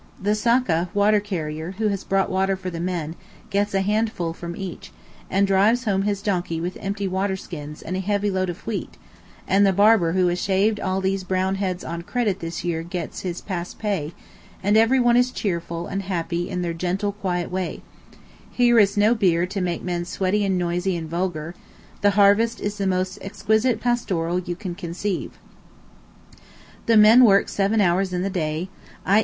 The sakka (water carrier), who has brought water for the men, gets a handful from each, and drives home his donkey with empty waterskins and a heavy load of wheat, and the barber who has shaved all these brown heads on credit this year past gets his pay, and everyone is cheerful and happy in their gentle, quiet way; here is no beer to make men sweaty and noisy and vulgar; the harvest is the most exquisite pastoral you can conceive. The men work seven hours in the day (_i.